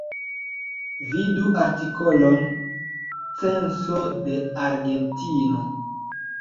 Vidu artikolon Censo de Argentino.